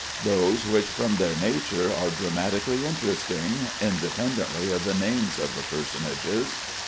Those which, from their nature, are dramatically interesting, independently of the names of the personages.